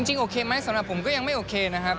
จริงโอเคไหมสำหรับผมก็ยังไม่โอเคนะครับ